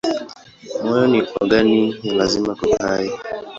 Moyo ni ogani ya lazima kwa uhai.